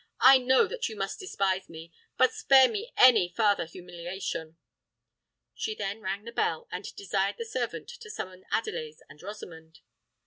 "I know that you must despise me: but spare me any farther humiliation!" She then rang the bell, and desired the servant to summon Adelais and Rosamond.